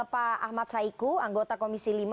pak ahmad saiku anggota komisi lima